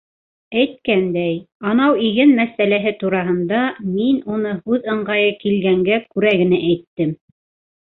Әйткәндәй, анау иген мәсьәләһе тураһында мин уны һүҙ ыңғайы килгәнгә күрә генә әйттем.